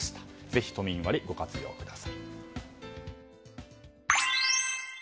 ぜひ都民割、ご活用ください。